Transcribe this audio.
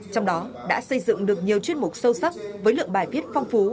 trong đó đã xây dựng được nhiều chuyên mục sâu sắc với lượng bài viết phong phú